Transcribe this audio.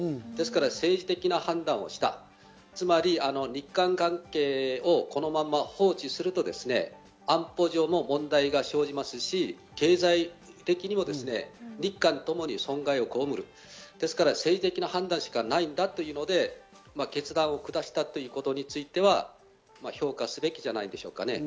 政治的な判断をした、つまり日韓関係をこのまま放置すると、安保上も問題が生じますし、経済的にも日韓ともに損害をこうむる、ですから政治的な判断しかないのだというので、決断を下したということについては、評価すべきじゃないでしょうかね。